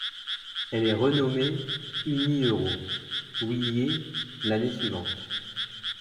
Elle est renommée Unieuro Wilier l'année suivante.